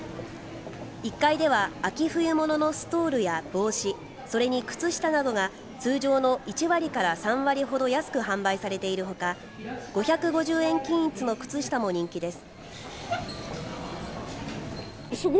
１階では秋冬物のストールや帽子それに靴下などが通常の１割から３割ほど安く販売されているほか５５０円均一の靴下も人気です。